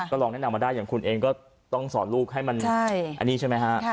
ลองแนะนำมาได้อย่างคุณเองก็ต้องสอนลูกให้มันอันนี้ใช่ไหมฮะ